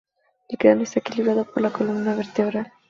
El cráneo está equilibrado por la columna vertebral.